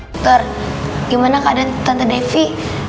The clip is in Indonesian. ntar gimana keadaan tante devi